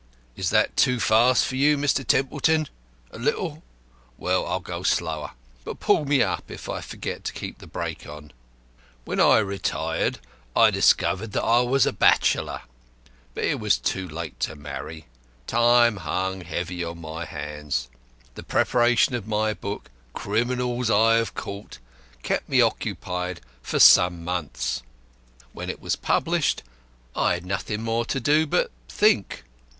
Is that too fast for you, Mr. Templeton? A little? Well, I'll go slower; but pull me up if I forget to keep the brake on. When I retired, I discovered that I was a bachelor. But it was too late to marry. Time hung heavy on my hands. The preparation of my book, Criminals I have Caught, kept me occupied for some months. When it was published, I had nothing more to do but think.